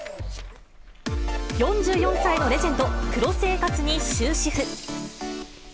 ４４歳のレジェンド、プロ生活に終止符。